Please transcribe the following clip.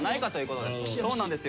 そうなんですよ。